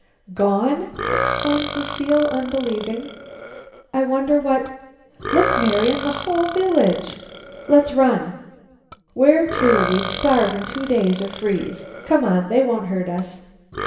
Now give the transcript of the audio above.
"Gone!" exclaimed Lucile unbelievingly. "I wonder what " "Look, Marian; the whole village!" "Let's run." "Where to? We'd starve in two days, or freeze. Come on. They won't hurt us."